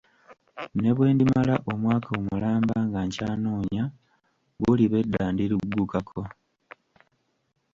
Ne bwe ndimala omwaka omulamba nga nkyanoonya, buliba edda ndiriggukako.